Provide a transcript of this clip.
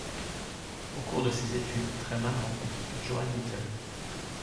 Au cours de ses études, Treiman rencontre Joan Little.